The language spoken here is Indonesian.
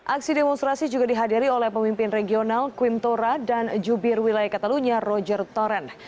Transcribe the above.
aksi demonstrasi juga dihadiri oleh pemimpin regional quim tora dan jubir wilayah katalunya roger toren